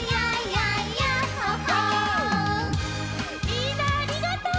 みんなありがとう！